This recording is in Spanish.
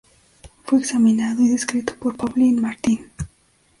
Fue examinado y descrito por Paulin Martin.